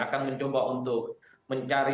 akan mencoba untuk mencari